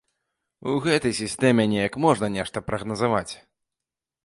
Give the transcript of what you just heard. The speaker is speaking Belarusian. У гэтай сістэме неяк можна нешта прагназаваць.